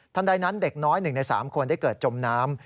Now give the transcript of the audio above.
ใดนั้นเด็กน้อย๑ใน๓คนได้เกิดจมน้ำ